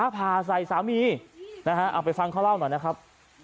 ผ่าใส่สามีนะฮะเอาไปฟังเขาเล่าหน่อยนะครับ